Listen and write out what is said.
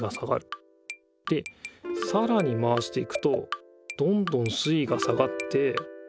でさらに回していくとどんどん水いが下がって。